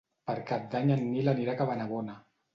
Per Cap d'Any en Nil anirà a Cabanabona.